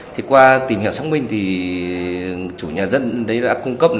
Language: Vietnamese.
thì qua tìm hiểu xác minh thì chủ nhà dân đấy đã cung cấp